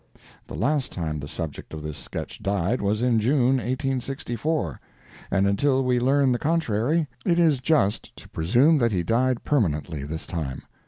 The last time the subject of this sketch died was in June, 1864; and until we learn the contrary, it is just to presume that he died permanently this time.